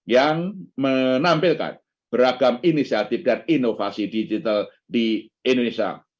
yang menampilkan beragam inisiatif dan inovasi digital di indonesia